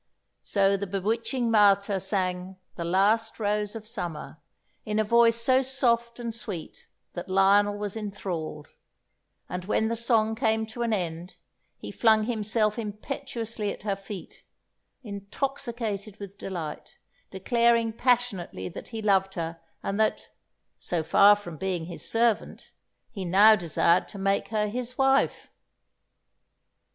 So the bewitching Martha sang "The Last Rose of Summer," in a voice so soft and sweet that Lionel was enthralled; and when the song came to an end, he flung himself impetuously at her feet, intoxicated with delight, declaring passionately that he loved her, and that, so far from being his servant, he now desired to make her his wife.